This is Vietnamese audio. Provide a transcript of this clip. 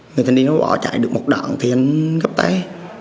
người thanh niên nó bỏ chạy được một đoạn thì anh gấp tay